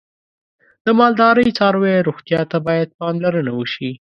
د مالدارۍ څاروی روغتیا ته باید پاملرنه وشي.